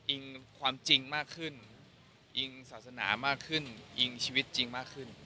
ความจริงมากขึ้นอิงศาสนามากขึ้นอิงชีวิตจริงมากขึ้น